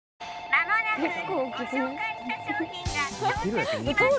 間もなくご紹介した商品が到着します